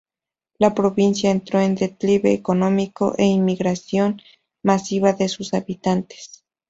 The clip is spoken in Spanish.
La provincia entró en declive económico e emigración masiva de sus habitantes.